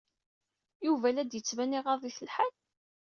Yuba la d-yettban iɣaḍ-it lḥal?